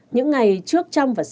những ngày trước trong vài ngày